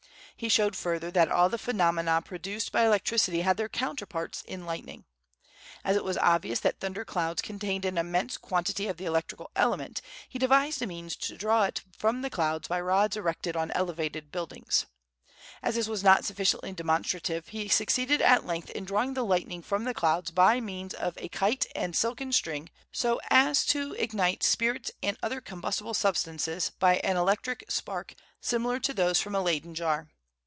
He showed further that all the phenomena produced by electricity had their counterparts in lightning. As it was obvious that thunder clouds contained an immense quantity of the electrical element, he devised a means to draw it from the clouds by rods erected on elevated buildings. As this was not sufficiently demonstrative he succeeded at length in drawing the lightning from the clouds by means of a kite and silken string, so as to ignite spirits and other combustible substances by an electric spark similar to those from a Leyden jar.